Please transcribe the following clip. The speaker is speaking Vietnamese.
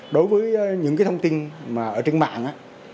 đối với những thông tin trên mạng